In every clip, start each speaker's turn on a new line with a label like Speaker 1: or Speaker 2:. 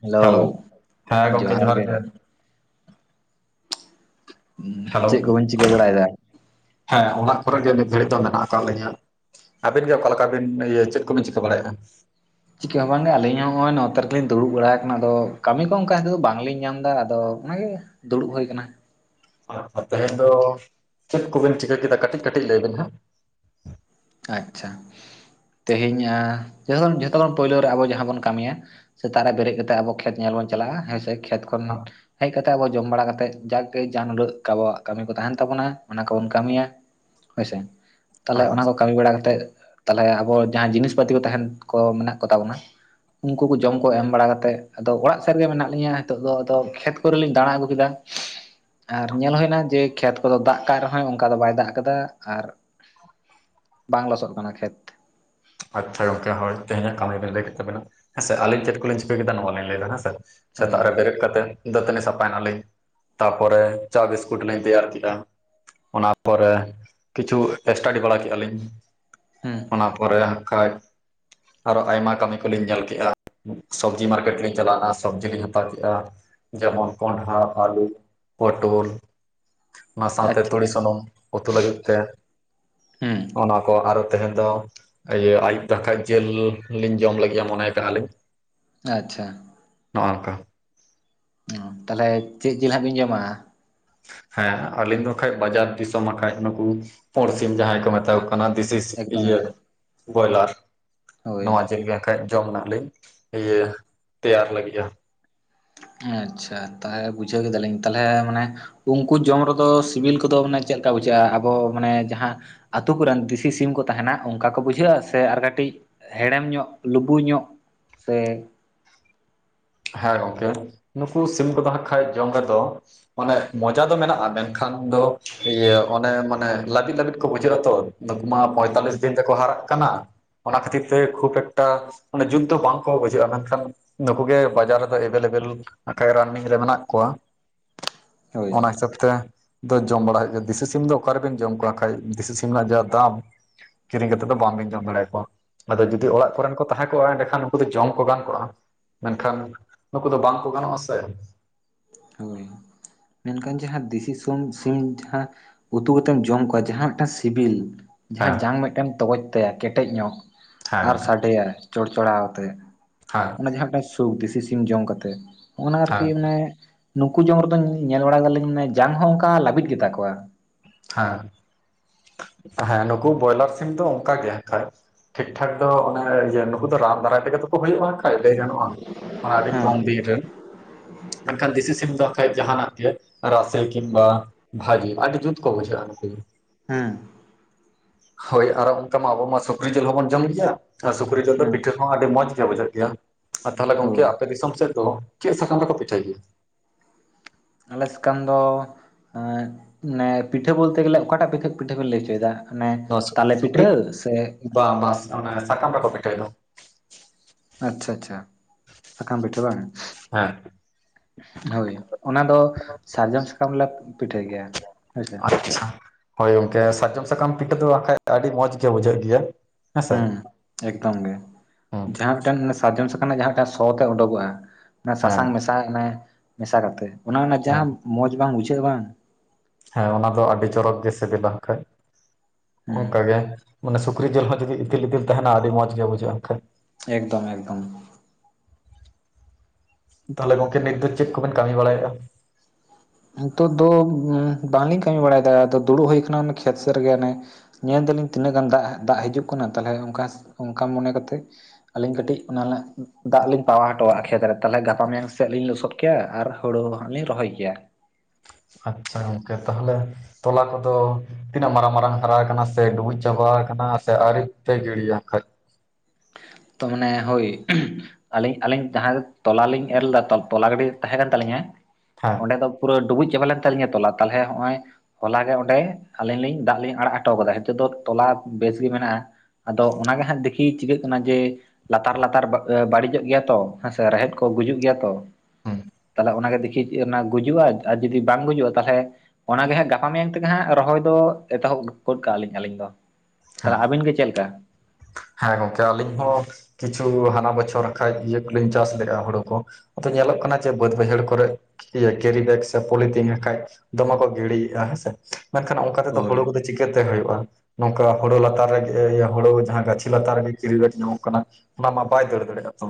Speaker 1: Hello, ᱡᱚᱦᱟᱨ ᱜᱮ᱾ ᱩ
Speaker 2: ᱦᱮᱞᱳ
Speaker 1: ᱪᱮᱜ ᱠᱚᱵᱮᱱ ᱪᱤᱠᱟᱹ ᱵᱟᱲᱟᱭ ᱫᱟ?
Speaker 2: ᱦᱮᱸ ᱚᱲᱟᱜ ᱠᱚᱨᱮ ᱜᱮ ᱱᱤᱛ ᱫᱷᱟᱹᱲᱤᱡ ᱫᱚ ᱢᱮᱱᱟᱜ ᱠᱟᱜ ᱞᱤᱧᱟ᱾ ᱟᱹᱵᱤᱱ ᱜᱮ ᱚᱠᱟ ᱞᱮᱠᱟ ᱵᱤᱱ ᱤᱭᱟᱹ, ᱪᱮᱫ ᱠᱚᱵᱤᱱ ᱪᱤᱠᱟᱹ ᱵᱟᱲᱟᱭᱮᱫᱼᱟ?
Speaker 1: ᱪᱤᱠᱟᱹ ᱦᱚᱸ ᱵᱟᱝᱜᱮ ᱟᱹᱞᱤᱧ ᱦᱚᱸ ᱱᱚᱜᱼᱚᱭ ᱱᱚᱛᱮ ᱨᱮᱜᱞᱤᱧ ᱫᱩᱲᱩᱵ ᱵᱟᱲᱟ ᱟᱠᱟᱱᱟ, ᱟᱫᱚ ᱠᱟᱹᱢᱤ ᱠᱚᱦᱚ ᱚᱱᱠᱟ ᱦᱤᱛᱚᱜ ᱫᱚ ᱵᱟᱝᱞᱤᱧ ᱧᱟᱢ ᱮᱫᱟ ᱟᱫᱚ ᱚᱱᱟᱜᱮ ᱫᱩᱲᱩᱵ ᱦᱳᱭ ᱠᱟᱱᱟ᱾
Speaker 2: [unintelligible] ᱛᱮᱦᱮᱧ ᱫᱚ ᱪᱮᱫ ᱠᱚᱵᱮᱱ ᱪᱤᱠᱟᱹ ᱠᱮᱫᱟ ᱠᱟᱹᱴᱤᱡ ᱠᱟᱹᱴᱤᱡ ᱞᱟᱹᱭ ᱵᱤᱱ ᱦᱟᱸᱜ?
Speaker 1: ᱟᱪᱪᱷᱟ ᱛᱮᱦᱮᱧ ᱟ, ᱡᱷᱚᱛᱚ ᱠᱷᱚᱱ ᱡᱚᱷᱛᱚ ᱠᱷᱚᱱ ᱯᱳᱭᱞᱳ ᱨᱮ ᱟᱵᱚ ᱡᱟᱦᱟᱸ ᱵᱚᱱ ᱠᱟᱢᱤᱭᱟ ᱥᱮᱛᱟᱜ ᱨᱮ ᱵᱮᱨᱮᱜ ᱠᱟᱛᱮ ᱟᱵᱚ ᱠᱷᱮᱛ ᱧᱮᱞ ᱵᱚᱱ ᱪᱟᱞᱟᱜᱼᱟ, ᱦᱮᱸᱥᱮ ᱠᱷᱮᱛ ᱠᱷᱚᱱ ᱦᱮᱡ ᱠᱟᱛᱮ ᱟᱵᱚ ᱡᱚᱢ ᱵᱟᱲᱟ ᱠᱟᱛᱮᱫ ᱡᱟᱜᱠᱮ ᱡᱟᱦᱟᱸᱱ ᱩᱵᱟᱹᱜ ᱠᱟᱵᱚᱣᱟᱜ ᱠᱟᱢᱤ ᱠᱚ ᱛᱟᱦᱮᱱ ᱛᱟᱵᱚᱱᱟ ᱚᱱᱟ ᱠᱚᱵᱚᱱ ᱠᱟᱢᱤᱭᱟ᱾ ᱦᱳᱭ ᱥᱮ ᱛᱟᱦᱚᱞᱮ ᱚᱱᱟ
Speaker 2: ᱟᱪᱪᱷᱟ
Speaker 1: ᱠᱚ ᱠᱟᱹᱢᱤ ᱵᱟᱲᱟ ᱠᱟᱛᱮᱫ ᱛᱟᱦᱚᱞᱮ ᱟᱵᱚ ᱡᱟᱦᱟᱸ ᱡᱤᱱᱤᱥ ᱯᱟᱹᱛᱤ ᱠᱚ ᱛᱟᱦᱮᱱ ᱠᱚ ᱢᱮᱱᱟᱜ ᱠᱚᱛᱟᱵᱚᱱᱟ ᱩᱱᱠᱩ ᱠᱚ ᱡᱚᱢ ᱠᱚ ᱮᱢ ᱵᱟᱲᱟ ᱠᱟᱛᱮᱫ ᱟᱫᱚ ᱚᱲᱟᱜ ᱥᱮᱫ ᱨᱮᱜᱮ ᱢᱮᱱᱟᱜ ᱞᱤᱧᱟᱹ ᱦᱤᱛᱚᱜ ᱫᱚ ᱟᱫᱚ ᱠᱷᱮᱛ ᱠᱚᱨᱮ ᱞᱤᱧ ᱫᱟᱲᱟ ᱟᱹᱜᱩ ᱠᱮᱫᱟ᱾
Speaker 2: [inaudible]
Speaker 1: ᱟᱨ ᱧᱮᱞ ᱦᱩᱭᱱᱟ ᱡᱮ ᱠᱷᱮᱛ ᱠᱚᱫᱚ ᱫᱟᱜ ᱠᱟᱜ ᱨᱮᱦᱚᱭ ᱚᱱᱠᱟ ᱫᱚ ᱵᱟᱭ ᱫᱟᱜ ᱠᱟᱫᱟ ᱟᱨ ᱵᱟᱝ ᱞᱚᱥᱚᱫ ᱠᱟᱱᱟ ᱠᱷᱮᱛ᱾
Speaker 2: ᱟᱪᱪᱷᱟ ᱜᱚᱝᱠᱮ ᱦᱳᱭ ᱛᱮᱦᱮᱧᱟᱜ ᱠᱟᱹᱢᱤ ᱵᱮᱱ ᱞᱟᱹᱭ ᱠᱮᱫ ᱛᱟᱵᱤᱱᱟ ᱦᱮᱸ ᱥᱮ ᱟᱹᱞᱤᱧ ᱪᱮᱫ ᱠᱚᱞᱤᱧ ᱪᱤᱠᱟᱹ ᱠᱮᱫᱟ ᱱᱚᱣᱟ ᱞᱤᱧ ᱞᱟᱹᱭ ᱫᱟ ᱦᱮᱸ ᱥᱮ?
Speaker 1: ᱦᱳᱭ
Speaker 2: ᱥᱮᱛᱟᱜ ᱨᱮ ᱵᱮᱨᱮᱫ ᱠᱟᱛᱮ ᱫᱟᱹᱛᱟᱹᱱᱤ ᱥᱟᱯᱷᱟᱭᱮᱱᱟᱞᱤᱧ ᱛᱟᱯᱚᱨᱮ ᱪᱟ ᱵᱤᱥᱠᱩᱴ ᱞᱤᱧ ᱛᱮᱭᱟᱨ ᱠᱮᱫᱟ ᱚᱱᱟ ᱯᱚᱨᱮ ᱠᱤᱪᱷᱩ ᱥᱴᱟᱰᱤ ᱵᱟᱲᱟ ᱠᱮᱫ ᱟᱞᱤᱧ,
Speaker 1: ᱦᱩᱸ
Speaker 2: ᱚᱱᱟ ᱯᱚᱨᱮ [unintelligible] ᱟᱨᱚ ᱟᱭᱢᱟ ᱠᱟᱹᱢᱤ ᱠᱚᱞᱤᱧ ᱧᱮᱞ ᱠᱮᱼᱟ, ᱥᱚᱵᱽᱡᱤ ᱢᱟᱨᱠᱮᱴ ᱞᱤᱧ ᱪᱟᱞᱟᱣᱱᱟ ᱥᱚᱵᱽᱡᱤ ᱞᱤᱧ ᱦᱟᱛᱟᱣ ᱠᱮᱼᱟ᱾ ᱡᱮᱢᱚᱱ ᱠᱚᱱᱰᱷᱟ, ᱟᱹᱞᱩ, ᱯᱚᱴᱚᱞ᱾ ᱚᱱᱟ ᱥᱟᱶᱛᱮ
Speaker 1: ᱟᱪᱪᱷᱟ
Speaker 2: ᱛᱩᱲᱤ
Speaker 1: ᱟᱪᱪᱷᱟ
Speaker 2: ᱥᱩᱱᱩᱢ ᱩᱛᱩ ᱞᱟᱹᱜᱤᱫ ᱛᱮ
Speaker 1: ᱦᱩᱸ
Speaker 2: ᱚᱱᱟ ᱠᱚ ᱟᱨᱚ ᱛᱟᱦᱮᱱ ᱫᱚ ᱤᱭᱟᱹ ᱟᱭᱩᱵ ᱫᱚ ᱦᱟᱜᱠᱷᱟᱡ ᱡᱮᱞ ᱞᱤᱧ ᱡᱚᱢ ᱞᱟᱹᱜᱤᱭᱟ ᱢᱚᱱᱮ ᱟᱠᱟᱼᱟ ᱞᱤᱧ᱾
Speaker 1: ᱟᱪᱷᱟ᱾
Speaker 2: ᱱᱚᱜᱼᱚᱝᱠᱟ᱾
Speaker 1: ᱚ ᱛᱟᱦᱟᱞᱮ ᱪᱮᱜ ᱡᱤᱞ ᱦᱟᱸᱜ ᱵᱤᱱ ᱡᱚᱢᱟ?
Speaker 2: ᱦᱮᱸ ᱟᱹᱞᱤᱧ ᱫᱚ ᱱᱟᱠᱷᱟᱡ ᱵᱟᱡᱟᱨ ᱫᱤᱥᱚᱢ ᱦᱟᱸᱠᱷᱟᱡ ᱱᱩᱠᱩ ᱯᱳᱸᱲ ᱥᱤᱢ ᱡᱟᱦᱟᱸᱭ ᱠᱚ ᱢᱮᱛᱟ ᱠᱚ ᱚᱱᱟ ᱫᱤᱥᱤᱥᱤ
Speaker 1: ᱮᱠᱫᱚᱢ
Speaker 2: ᱤᱭᱟᱹ
Speaker 1: ᱮᱠᱫᱚᱢ
Speaker 2: ᱵᱚᱭᱞᱟᱨ
Speaker 1: ᱦᱳᱭ
Speaker 2: ᱱᱚᱣᱟ ᱡᱮᱞ ᱜᱮ ᱠᱷᱟᱡ ᱡᱚᱢ ᱱᱟᱜ ᱞᱤᱧ ᱤᱭᱟᱹ ᱛᱮᱭᱟᱨ ᱞᱟᱹᱜᱤᱫᱼᱟ
Speaker 1: ᱟᱪᱪᱷᱟ ᱛᱟᱦᱚᱞᱮ ᱵᱩᱡᱷᱟᱹᱣ ᱠᱮᱫᱟᱞᱤᱧ ᱛᱟᱦᱚᱞᱮ ᱢᱟᱱᱮ ᱩᱱᱠᱩ ᱡᱚᱢ ᱨᱮᱫᱚ ᱥᱤᱵᱤᱞ ᱠᱚᱫᱚ ᱢᱟᱱᱮ ᱪᱮᱫ ᱞᱮᱠᱟ ᱵᱩᱡᱷᱟᱹᱜᱼᱟ ᱟᱵᱚ ᱢᱟᱱᱮ ᱡᱟᱦᱟᱸ ᱟᱹᱛᱩ ᱠᱚᱨᱮᱱ ᱫᱮᱥᱤ ᱥᱤᱢ ᱠᱚ ᱛᱟᱦᱮᱱᱟ ᱚᱱᱠᱟ ᱠᱚ ᱵᱩᱡᱷᱟᱹᱜᱼᱟ ᱥᱮ ᱟᱨ ᱠᱟᱹᱴᱤᱡ ᱦᱮᱲᱮᱢ ᱧᱚᱜ ᱞᱩᱵᱩᱭ ᱧᱚᱜ ᱥᱮ
Speaker 2: ᱦᱮᱸ ᱜᱚᱝᱠᱮ ᱱᱩᱠᱩ ᱥᱤᱢ ᱠᱚᱫᱚ ᱦᱟᱸᱜ ᱠᱷᱟᱡ ᱡᱚᱢ ᱨᱮᱫᱚ ᱢᱟᱱᱮ ᱢᱚᱡᱟ ᱫᱚ ᱢᱮᱱᱟᱜᱼᱟ ᱢᱮᱱᱠᱷᱟᱱ ᱫᱚ ᱤᱭᱟᱹ ᱚᱱᱮ ᱢᱟᱱᱮ ᱞᱟᱹᱵᱤᱫ ᱞᱟᱹᱵᱤᱫ ᱠᱚ ᱵᱩᱡᱷᱟᱹᱜ-ᱟ ᱛᱚ ᱱᱩᱠᱩ ᱢᱟ ᱯᱚᱸᱭᱛᱟᱞᱞᱤᱥ ᱫᱤᱱ ᱛᱮᱠᱚ ᱦᱟᱨᱟᱜ ᱠᱟᱱᱟ᱾ ᱚᱱᱟ ᱠᱷᱟᱹᱛᱤᱨ ᱛᱮ ᱠᱷᱩᱵ ᱮᱠᱴᱟ ᱢᱟᱱᱮ ᱡᱩᱫᱽ ᱫᱚ ᱵᱟᱝ ᱠᱚ ᱵᱩᱡᱷᱟᱹᱜᱼᱟ᱾ ᱢᱮᱱᱠᱷᱟᱱ ᱱᱩᱠᱩ ᱜᱮ ᱵᱟᱡᱟᱨ ᱨᱮᱫᱚ ᱮᱵᱮᱞ ᱮᱵᱮᱞ ᱦᱟᱸᱜ ᱠᱷᱟᱭ ᱨᱟᱱᱱᱤᱝ ᱨᱮ ᱢᱮᱱᱟᱜ ᱠᱚᱣᱟ᱾
Speaker 1: ᱦᱳᱭ
Speaker 2: ᱚᱱᱟ ᱦᱤᱥᱟᱹᱵ ᱛᱮ ᱫᱚ ᱡᱚᱢ ᱵᱟᱲᱟᱭ ᱦᱩᱭᱩᱜ ᱜᱮᱭᱟ ᱫᱮᱥᱤ ᱥᱤᱢ ᱫᱚ ᱚᱠᱟᱨᱮᱵᱮᱱ ᱡᱚᱢ ᱠᱚᱣᱟ ᱦᱟᱸᱜ ᱠᱷᱟᱡ ᱫᱤᱥᱤ ᱥᱤᱢ ᱨᱮᱱᱟᱜ ᱡᱟ ᱫᱟᱢ ᱠᱤᱨᱤᱧ ᱠᱟᱛᱮᱫ ᱫᱚ ᱵᱟᱝ ᱵᱤᱱ ᱡᱚᱢ ᱫᱟᱲᱮᱭᱟ ᱠᱚᱣᱟ᱾ ᱟᱫᱚ ᱡᱩᱫᱤ ᱚᱲᱟᱜ ᱠᱚᱨᱮᱱ ᱠᱚ ᱛᱟᱦᱮᱸ ᱠᱚᱜᱼᱟ ᱮᱸᱰᱮᱠᱷᱟᱱ ᱩᱱᱠᱩ ᱫᱚ ᱡᱚᱢ ᱠᱚ ᱜᱟᱱ ᱠᱚᱜᱼᱟ᱾ ᱮᱠᱷᱟᱱ ᱱᱩᱠᱩ ᱫᱚ ᱵᱟᱝ ᱠᱚ ᱜᱟᱱᱚᱜᱼᱟ ᱥᱮ᱾
Speaker 1: ᱦᱳᱭ ᱢᱮᱱᱠᱷᱟᱱ ᱡᱟᱦᱟᱸ ᱫᱮᱥᱤ ᱥᱤᱢ ᱥᱤᱢ ᱡᱟᱦᱟᱸ ᱩᱛᱩ ᱠᱟᱛᱮᱢ ᱡᱚᱢ ᱠᱚᱣᱟ, ᱡᱟᱦᱟᱸ ᱢᱤᱫᱴᱟᱝ ᱥᱤᱵᱤᱞ ᱡᱟᱦᱟᱸ
Speaker 2: ᱦᱮᱸ
Speaker 1: ᱡᱟᱝ ᱢᱤᱫᱴᱮᱱ ᱛᱚᱜᱚᱡ ᱛᱟᱭᱟ ᱠᱮᱴᱮᱡ ᱧᱚᱜ
Speaker 2: ᱦᱮᱸ
Speaker 1: ᱟᱨ ᱥᱟᱰᱮᱭᱟ ᱪᱚᱲ-ᱪᱚᱲᱟᱣ ᱟᱛᱮᱫ
Speaker 2: ᱦᱮᱸ
Speaker 1: ᱚᱱᱟ ᱡᱟᱦᱟᱸ ᱢᱤᱫᱴᱟᱜ ᱥᱩᱠ ᱫᱮᱥᱤ ᱥᱤᱢ ᱡᱚᱢ ᱠᱟᱛᱮᱫ ᱱᱚᱜ-ᱟ ᱟᱨᱠᱤ
Speaker 2: ᱦᱮᱸ
Speaker 1: ᱢᱟᱱᱮ ᱱᱩᱠᱩ ᱡᱚᱢ ᱨᱮᱫᱚ ᱧᱮᱞ ᱵᱟᱲᱟ ᱠᱟᱫᱟᱞᱤᱧ ᱢᱟᱱᱮ ᱡᱟᱝ ᱦᱚᱸ ᱚᱱᱠᱟ ᱞᱟᱵᱤᱫ ᱜᱮᱛᱟ ᱠᱚᱣᱟ᱾
Speaker 2: ᱦᱮᱸ ᱦᱮᱸ ᱱᱩᱠᱩ ᱵᱚᱭᱞᱟᱨ ᱥᱤᱢ ᱫᱚ ᱚᱱᱠᱟ ᱜᱮ ᱦᱟᱸᱜ ᱠᱷᱟᱡ᱾ ᱴᱷᱤᱠ ᱴᱷᱟᱠ ᱫᱚ ᱚᱱᱮ ᱤᱭᱟᱹ ᱱᱩᱠᱩ ᱫᱚ ᱨᱟᱱ ᱫᱟᱨᱟᱭ ᱛᱮᱜᱮ ᱛᱚᱠᱚ ᱦᱩᱭᱩᱜᱼᱟ᱾ ᱦᱟᱸᱜ ᱠᱷᱟᱡ ᱞᱟᱹᱭ ᱜᱟᱱᱚᱜᱼᱟ᱾ ᱢᱟᱱᱮ ᱟᱹᱰᱤ
Speaker 1: ᱦᱮᱸ
Speaker 2: ᱠᱚᱢ ᱫᱤᱱ ᱨᱮᱱ᱾ ᱢᱮᱱᱠᱷᱟᱱ ᱫᱮᱥᱤ ᱥᱤᱢ ᱫᱚ ᱦᱟᱸᱜ ᱠᱷᱟᱡ ᱡᱟᱦᱟᱱᱟᱜ ᱛᱮ ᱨᱟᱥᱮ ᱠᱤᱝᱵᱟ ᱵᱷᱟᱹᱡᱤ ᱟᱹᱰᱤ ᱡᱩᱛ ᱠᱚ ᱵᱩᱡᱟᱹᱜ-ᱟ ᱱᱩᱠᱩ
Speaker 1: ᱦᱮᱸ
Speaker 2: ᱦᱳᱭ ᱟᱨᱚ ᱚᱱᱠᱟ ᱢᱟ ᱟᱵᱚ ᱢᱟ ᱥᱩᱠᱨᱤ ᱡᱮᱞ ᱦᱚᱸᱵᱚᱱ ᱡᱚᱢ ᱜᱮᱭᱟ ᱟᱨ ᱥᱩᱠᱨᱤ ᱡᱤᱞ ᱫᱚ
Speaker 1: ᱦᱮᱸ
Speaker 2: ᱯᱤᱴᱷᱟᱹ ᱦᱚᱸ ᱟᱹᱰᱤ ᱢᱚᱡᱽ ᱜᱮ ᱵᱩᱡᱷᱟᱹᱜ ᱜᱮᱭᱟ᱾ ᱟᱨ ᱛᱟᱦᱚᱞᱮ ᱜᱚᱝᱠᱮ
Speaker 1: ᱦᱳᱭ
Speaker 2: ᱟᱯᱮ ᱫᱤᱥᱚᱢ ᱥᱮᱫ ᱫᱚ ᱪᱮᱫ ᱥᱟᱠᱟᱢ ᱨᱮᱠᱚ ᱯᱤᱴᱷᱟᱹᱭ ᱜᱮᱭᱟ?
Speaker 1: ᱟᱞᱮ ᱥᱟᱠᱟᱢ ᱫᱚ ᱢᱟᱱᱮ ᱯᱤᱴᱷᱟᱹ ᱵᱚᱞᱛᱮ ᱜᱮᱞᱮ ᱚᱠᱟᱴᱟᱜ ᱯᱤᱴᱷᱟᱹ ᱯᱤᱴᱷᱟᱹ ᱵᱮᱱ ᱞᱟᱹᱭ ᱦᱚᱪᱚᱭᱮᱫᱟ? ᱚᱱᱮ
Speaker 2: ᱱᱚᱣᱟ ᱥᱩᱠ
Speaker 1: ᱛᱟᱞᱮ
Speaker 2: ᱥᱩᱠᱨᱤ
Speaker 1: ᱯᱤᱴᱷᱟᱹ ᱥᱮ
Speaker 2: ᱵᱟᱝ ᱵᱟᱝ ᱚᱱᱮ ᱥᱟᱠᱟᱢ ᱨᱮᱠᱚ ᱯᱤᱴᱷᱟᱭ ᱫᱚ
Speaker 1: ᱟᱪᱪᱷᱟ ᱟᱪᱪᱷᱟ ᱥᱟᱠᱟᱢ ᱯᱤᱴᱷᱟᱹ ᱵᱟᱝ
Speaker 2: ᱦᱮᱸ
Speaker 1: ᱦᱳᱭ ᱚᱱᱟ ᱫᱚ ᱥᱟᱨᱡᱚᱢ ᱥᱟᱠᱟᱢ ᱞᱮ ᱯᱤᱴᱷᱟᱹᱭ ᱜᱮᱭᱟ ᱦᱳᱭᱥᱮ
Speaker 2: ᱟᱪᱪᱷᱟ ᱦᱳᱭ ᱜᱚᱝᱠᱮ ᱥᱟᱨᱡᱚᱢ ᱥᱟᱠᱟᱢ ᱯᱤᱴᱷᱟᱹ ᱫᱚ ᱦᱟᱸᱜ ᱠᱷᱟᱡ ᱟᱹᱰᱤ ᱢᱚᱡᱽ ᱜᱮ ᱵᱩᱡᱷᱟᱹᱜ ᱜᱮᱭᱟ᱾ ᱦᱮᱸᱥᱮ
Speaker 1: ᱦᱩᱸ ᱮᱠᱫᱚᱢ ᱜᱮ
Speaker 2: ᱦᱩᱸ
Speaker 1: ᱡᱟᱦᱟᱸ ᱢᱤᱫᱴᱮᱱ ᱚᱱᱮ ᱥᱟᱨᱡᱚᱢ ᱥᱟᱠᱟ ᱨᱮᱱᱟᱜ ᱡᱟᱦᱟᱸ ᱢᱤᱫᱴᱮᱱ ᱥᱚ ᱛᱮᱫ ᱩᱰᱩᱠᱚᱜᱼᱟ᱾ ᱚᱱᱟ
Speaker 2: ᱦᱮᱸ
Speaker 1: ᱥᱟᱥᱟᱝ ᱢᱮᱥᱟ ᱢᱟᱱᱮ ᱢᱮᱥᱟ ᱠᱟᱛᱮᱜ ᱚᱱᱟ ᱚᱱᱟ
Speaker 2: ᱦᱮᱸ
Speaker 1: ᱡᱟᱦᱟᱸ ᱢᱚᱡᱽ ᱵᱟᱝ ᱵᱩᱡᱷᱟᱹᱜᱼᱟ ᱵᱟᱝ
Speaker 2: ᱦᱮᱸ ᱚᱱᱟ ᱫᱚ ᱟᱹᱰᱤ ᱪᱚᱨᱚᱠ ᱜᱮ ᱥᱤᱵᱤᱞᱟ ᱦᱟᱸᱜ ᱠᱷᱟᱡ᱾
Speaker 1: ᱦᱩᱸ
Speaker 2: ᱚᱱᱠᱟ ᱜᱮ ᱢᱟᱱᱮ ᱥᱩᱠᱨᱤ ᱡᱤᱞ ᱦᱚᱸ ᱡᱩᱫᱤ ᱤᱛᱤᱞ ᱤᱛᱤᱞ ᱛᱟᱦᱮᱱᱟ ᱟᱹᱰᱤ ᱢᱚᱡᱽ ᱜᱮ ᱵᱩᱡᱟᱹᱜᱼᱟ᱾ ᱦᱟᱸᱜ ᱠᱷᱟᱡ
Speaker 1: ᱮᱠᱫᱚᱢ ᱮᱠᱫᱚᱢ
Speaker 2: ᱛᱟᱦᱚᱞᱮ ᱜᱚᱝᱠᱮ ᱱᱤᱛ ᱫᱚ ᱪᱮᱫ ᱠᱚ ᱵᱤᱱ ᱠᱟᱹᱢᱤ ᱵᱟᱲᱟᱭᱮᱫ-ᱟ᱾
Speaker 1: ᱱᱤᱛᱳᱜ ᱫᱚ ᱵᱟᱝᱞᱤᱧ ᱠᱟᱹᱢᱤ ᱵᱟᱲᱟᱭᱮᱫᱟ ᱟᱫᱚ ᱫᱩᱲᱩᱵ ᱦᱩᱭ ᱠᱟᱱᱟ ᱚᱱᱮ ᱠᱷᱮᱛ ᱥᱮᱫ ᱨᱮᱜᱮ ᱚᱱᱮ ᱧᱮᱞ ᱫᱟᱞᱤᱧ ᱛᱤᱱᱟᱹᱜ ᱜᱟᱱ ᱫᱟᱜ ᱫᱟᱜ ᱦᱤᱡᱩᱜ ᱠᱟᱱᱟ ᱛᱟᱦᱚᱞᱮ ᱚᱱᱠᱟ ᱚᱱᱠᱟ ᱢᱚᱱᱮ ᱠᱟᱛᱮᱫ ᱟᱞᱤᱧ ᱠᱟᱹᱴᱤᱡ ᱚᱱᱟᱞᱮ ᱫᱟᱜ ᱞᱤᱧ ᱯᱟᱣᱭᱟ ᱦᱚᱴᱚᱣᱟᱜ-ᱟ ᱠᱷᱮᱛ ᱨᱮ ᱛᱟᱦᱚᱞᱮ ᱜᱟᱯᱟ ᱢᱮᱭᱟᱝ ᱥᱮᱫ ᱞᱤᱧ ᱞᱚᱥᱚᱫ ᱠᱮᱭᱟ ᱟᱨ ᱦᱳᱲᱳ ᱦᱟᱸᱜ ᱞᱤᱧ ᱨᱚᱦᱚᱭ ᱠᱮᱭᱟ᱾
Speaker 2: ᱟᱪᱪᱷᱟ ᱜᱚᱝᱠᱮ ᱛᱟᱦᱚᱞᱮ ᱛᱚᱞᱟ ᱠᱚᱫᱚ ᱛᱤᱱᱟᱹᱜ ᱢᱟᱨᱟᱝ ᱢᱟᱨᱟᱝ ᱦᱟᱨᱟ ᱠᱟᱱᱟ ᱥᱮ ᱰᱩᱵᱩᱡ ᱪᱟᱵᱟ ᱟᱠᱟᱱᱟ ᱥᱮ ᱟᱣᱨᱤᱯᱮ ᱜᱤᱰᱤᱭᱟ ᱦᱟᱸᱜ ᱠᱷᱟᱡ
Speaker 1: ᱛᱚ ᱢᱟᱱᱮ ᱦᱳᱭ ᱟᱹᱞᱤᱧ ᱟᱹᱞᱤᱧ ᱡᱟᱦᱟᱸᱭ ᱛᱚᱞᱟ ᱞᱤᱧ ᱮᱨ ᱞᱮᱫᱟ᱾ ᱛᱚ ᱛᱚᱞᱟ ᱜᱟᱹᱰᱤ ᱛᱟᱦᱮᱸ ᱠᱟᱱ ᱛᱟᱹᱟᱞᱤᱧᱟ᱾
Speaker 2: ᱦᱟᱸ
Speaker 1: ᱚᱸᱰᱮ ᱫᱚ ᱯᱩᱨᱟᱹ ᱰᱩᱵᱩᱡ ᱪᱟᱵᱟ ᱞᱮᱱ ᱛᱟᱞᱤᱧᱟ ᱛᱚᱞᱟ ᱛᱟᱦᱚᱞᱮ ᱦᱚᱸᱜᱼᱚᱭ ᱦᱚᱞᱟ ᱜᱮ ᱚᱸᱰᱮ ᱟᱹᱞᱤᱧ ᱞᱤᱧ ᱫᱟᱜ ᱞᱤᱧ ᱟᱲᱟᱜ ᱦᱚᱴᱚ ᱠᱟᱫᱟ᱾ ᱱᱤᱛᱚᱜ ᱫᱚ ᱛᱚᱞᱟ ᱵᱮᱥ ᱜᱮ ᱢᱮᱱᱟᱜᱼᱟ᱾ ᱟᱫᱚ ᱚᱱᱟ ᱜᱮ ᱦᱟᱸᱜ ᱫᱮᱠᱷᱤ ᱪᱤᱠᱟᱹᱜ ᱠᱟᱱᱟ? ᱡᱮ ᱞᱟᱛᱟᱨ ᱞᱟᱛᱟᱨ ᱵᱟᱹᱲᱤᱡᱚᱜ ᱜᱮᱭᱟ ᱛᱚ ᱦᱮᱸᱥᱮ᱾ ᱨᱮᱦᱮᱫ ᱠᱚ ᱜᱩᱡᱩᱜ ᱜᱮᱭᱟ ᱛᱚ᱾
Speaker 2: ᱦᱮᱸ
Speaker 1: ᱛᱟᱦᱞᱮ ᱚᱱᱟ ᱜᱮ ᱫᱮᱠᱷᱤ ᱚᱱᱟ ᱜᱩᱡᱩᱜᱼᱟ ᱟᱨ ᱡᱩᱫᱤ ᱵᱟᱝ ᱜᱩᱡᱩᱜᱼᱟ ᱛᱟᱦᱞᱮ ᱚᱱᱟ ᱜᱮ ᱦᱟᱸᱜ ᱜᱟᱯᱟ ᱢᱮᱭᱟᱝ ᱛᱮᱜᱮ ᱦᱟᱸᱜ ᱨᱚᱦᱚᱭ ᱫᱚ ᱮᱛᱚᱦᱚᱵ ᱜᱚᱫ ᱠᱟᱜᱼᱟ ᱞᱤᱧ ᱟᱹᱞᱤᱧ ᱫᱚ᱾
Speaker 2: ᱦᱮᱸ
Speaker 1: ᱛᱟᱦᱚᱞᱮ ᱟᱹᱵᱤᱱ ᱜᱮ ᱪᱮᱫ ᱞᱮᱠᱟ?
Speaker 2: ᱦᱮᱸ ᱜᱚᱝᱠᱮ ᱟᱹᱞᱤᱧ ᱦᱚᱸ ᱠᱤᱪᱷᱩ ᱦᱟᱱᱟ ᱵᱚᱪᱷᱚᱨ ᱠᱷᱚᱡᱽ ᱤᱭᱟᱹ ᱠᱚᱞᱤᱧ ᱪᱟᱥ ᱞᱮᱜᱼᱟ, ᱦᱩᱲᱩ ᱠᱚ᱾ ᱟᱫᱚ ᱧᱮᱞᱚᱜ ᱠᱟᱱᱟ ᱡᱮ ᱵᱟᱹᱫ ᱵᱟᱹᱭᱦᱟᱹᱲ ᱠᱚᱨᱮ ᱤᱭᱟᱹ ᱠᱮᱨᱤ ᱵᱮᱜᱽ ᱥᱮ ᱯᱚᱞᱤᱛᱤᱱ ᱞᱮ ᱠᱷᱟᱡ ᱫᱚᱢᱮ ᱠᱚ ᱜᱤᱲᱤᱭᱮᱜᱼᱟ ᱦᱮᱸᱥᱮ ᱢᱮᱱᱠᱷᱟᱱ ᱠᱟᱛᱮ ᱛᱮᱫᱚ
Speaker 1: ᱦᱳᱭ
Speaker 2: ᱦᱩᱲᱩ ᱪᱤᱠᱟ ᱛᱮ ᱦᱩᱭᱩᱜᱼᱟ? ᱱᱚᱝᱠᱟ ᱦᱩᱲᱩ ᱞᱟᱛᱟᱨ ᱨᱮ ᱦᱩᱲᱩ ᱡᱟᱦᱟᱸ ᱜᱟᱪᱷᱤ ᱞᱟᱛᱟᱨ ᱠᱤᱨᱵᱮᱴ ᱧᱟᱢᱚᱜ ᱠᱟᱱᱟ᱾ ᱚᱱᱟ ᱢᱟ ᱵᱟᱭ ᱫᱟᱹᱲ ᱫᱟᱲᱮᱭᱟᱜᱼᱟ ᱛᱚ᱾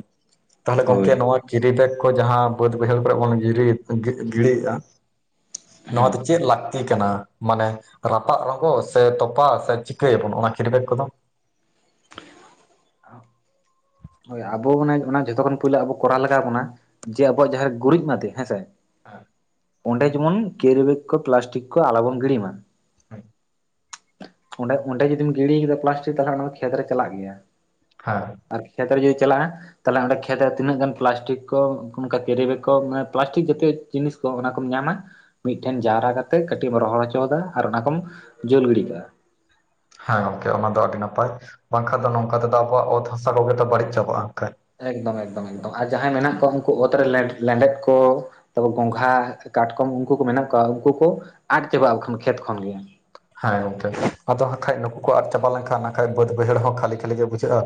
Speaker 2: ᱛᱟᱦᱚᱞᱮ
Speaker 1: ᱦᱳᱭ
Speaker 2: ᱜᱚᱢᱠᱮ ᱱᱚᱣᱟ ᱜᱤᱰᱤ ᱫᱮᱜᱽ ᱠᱚ, ᱡᱟᱦᱟᱸ ᱵᱟᱹᱫᱽ ᱵᱟᱹᱭᱦᱟᱹᱲ ᱠᱚᱨᱮ ᱵᱚᱱ ᱜᱤᱰᱤ ᱜᱤᱰᱤᱭᱮᱫᱼᱟ᱾ ᱱᱚᱣᱟ
Speaker 1: ᱦᱮᱸ
Speaker 2: ᱫᱚ ᱪᱮᱫ ᱞᱟᱹᱠᱛᱤ ᱠᱟᱱᱟ? ᱢᱟᱱᱮ ᱨᱟᱯᱟᱜ ᱨᱚᱸᱜᱚ ᱥᱮ ᱛᱚᱯᱟ ᱥᱮ ᱪᱤᱠᱟᱹᱭᱟᱵᱚᱱ, ᱚᱱᱟ ᱠᱷᱤᱨᱵᱮᱜ ᱠᱚᱫᱚ? [inaudible]
Speaker 1: ᱦᱳᱭ ᱟᱵᱚ ᱢᱟᱱᱮ ᱚᱱᱟ ᱡᱷᱚᱛᱚ ᱠᱷᱚᱱᱚᱱ ᱯᱳᱭᱞᱳ ᱟᱵᱚ ᱠᱚᱨᱟᱣ ᱞᱟᱜᱟᱣ ᱵᱚᱱᱟ ᱡᱮ ᱟᱵᱚᱣᱟᱜ ᱡᱟᱦᱟᱸ ᱜᱩᱨᱤᱡ ᱢᱟᱫᱮ ᱦᱮᱸᱥᱮ
Speaker 2: [unintelligible]
Speaker 1: ᱚᱸᱰᱮ ᱡᱮᱢᱚᱱ ᱠᱮᱨᱤᱵᱮᱜ ᱠᱚ, ᱯᱞᱟᱥᱴᱤᱠ ᱠᱚ, ᱟᱞᱚ ᱵᱚᱱ ᱜᱤᱲᱤ ᱢᱟ᱾
Speaker 2: ᱦᱳᱭ᱾
Speaker 1: ᱚᱸᱰᱮ ᱚᱸᱰᱮ ᱡᱩᱫᱤᱢ ᱜᱤᱰᱤ ᱠᱮᱫᱟ ᱯᱞᱟᱥᱴᱤᱠ ᱛᱟᱦᱚᱞᱮ ᱚᱱᱟ ᱠᱷᱮᱛ ᱨᱮ ᱪᱟᱞᱟᱜ ᱜᱮᱭᱟ᱾
Speaker 2: [unintelligible]
Speaker 1: ᱟᱨ ᱠᱷᱮᱛ ᱨᱮ ᱡᱩᱫᱤ ᱪᱟᱞᱟᱜᱼᱟ? ᱛᱟᱦᱚᱞᱮ ᱚᱸᱰᱮ ᱠᱷᱮᱛ ᱨᱮ ᱛᱤᱱᱟᱹᱜ ᱜᱟᱱ ᱯᱞᱟᱥᱴᱤᱠ ᱠᱚ, ᱚᱱᱠᱟ ᱠᱮᱨᱤᱵᱮᱜ ᱠᱚ, ᱢᱟᱱᱮ ᱯᱞᱟᱥᱴᱤᱠ ᱡᱟᱛᱮ ᱡᱤᱱᱤᱥ ᱠᱚ ᱚᱱᱟᱠᱢ ᱧᱟᱢᱟ ᱢᱤᱫᱴᱷᱮᱱ ᱡᱟᱣᱨᱟ ᱠᱟᱛᱮᱜ ᱠᱟᱹᱴᱤᱡ ᱮᱢ ᱨᱚᱦᱚᱲ ᱦᱚᱪᱚᱫᱟ ᱟᱨ ᱚᱱᱟᱠᱚᱢ ᱡᱩᱞ ᱜᱤᱰᱤ ᱠᱮᱫᱟ᱾ ᱫᱟᱜ
Speaker 2: ᱦᱮᱸ ᱜᱚᱝᱠᱮ ᱚᱱᱟ ᱫᱚ ᱟᱹᱰᱤ ᱱᱟᱯᱟᱭ, ᱵᱟᱝ ᱠᱷᱟᱱ ᱫᱚ ᱱᱚᱝᱠᱟ ᱛᱮᱫᱚ ᱟᱵᱚᱣᱟᱜ ᱚᱛ ᱦᱟᱥᱟ ᱠᱚᱜᱮ ᱛᱚ ᱵᱟᱹᱲᱤᱡ ᱪᱟᱵᱟᱜᱼᱟ᱾
Speaker 1: ᱮᱠᱫᱚᱢ ᱮᱠᱫᱚᱢ ᱮᱠᱫᱚᱢ ᱟᱨ ᱡᱟᱦᱟᱸᱭ ᱢᱮᱱᱟᱜ ᱠᱚᱣᱟ ᱩᱱᱠᱩ ᱚᱛ ᱨᱮ ᱞᱮᱸᱰᱮᱫ ᱠᱚ ᱛᱟᱨᱯᱚᱨ ᱜᱚᱝᱜᱷᱟ, ᱠᱟᱴᱠᱚᱢ, ᱩᱱᱠᱩ ᱠᱚ ᱢᱮᱱᱟᱜ ᱠᱚᱣᱟ᱾ ᱩᱱᱠᱩ ᱠᱚ ᱟᱫ ᱪᱟᱵᱟᱜᱼᱟ ᱠᱷᱮᱛ ᱠᱷᱚᱱ ᱜᱮ᱾
Speaker 2: ᱦᱮᱸ ᱜᱚᱝᱠᱮ ᱟᱫᱚ ᱵᱟᱝᱠᱷᱟᱡ ᱱᱩᱠᱩ ᱠᱚ ᱟᱫ ᱪᱟᱵᱟ ᱞᱮᱱᱠᱷᱟᱱ ᱠᱷᱟᱡ, ᱵᱟᱹᱫ ᱵᱟᱹᱭᱦᱟᱹᱲ ᱦᱚᱸ ᱠᱷᱟᱹᱞᱤ ᱠᱷᱟᱹᱞᱤ ᱜᱮ ᱵᱩᱡᱷᱟᱹᱜᱼᱟ᱾